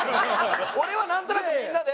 俺はなんとなくみんなで。